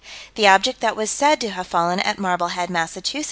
The object that was said to have fallen at Marblehead, Mass.